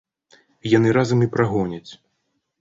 Яны разам і прагоняць.